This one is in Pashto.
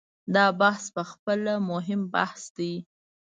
دا بحث په خپله مهم بحث دی.